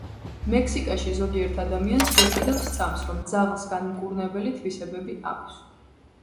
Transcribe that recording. მექსიკაში ზოგიერთ ადამიანს ჯერ კიდევ სწამს, რომ ძაღლს განმკურნებელი თვისებები აქვს.